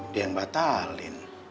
dia yang batalin